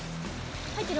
入ってる？